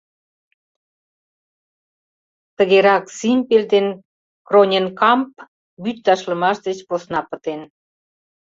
Тыгерак “Зимпель ден Кроненкамп” вӱд ташлымаш деч посна пытен.